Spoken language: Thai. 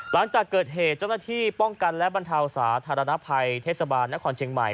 หลังจากเกิดเหตุเจ้าหน้าที่ป้องกันและบรรเทาสาธารณภัยเทศบาลนครเชียงใหม่